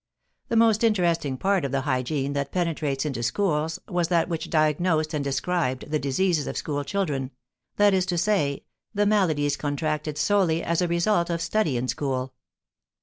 The most interesting part of the hygiene that penetrates into schools was that which diagnosed and described the "diseases of school children," that is to say, the maladies contracted solely as a result of study in school.